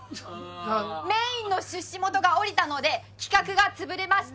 メインの出資元が降りたので企画が潰れました！